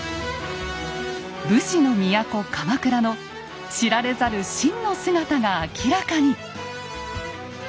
武士の都鎌倉の知られざる真の姿が明らかに！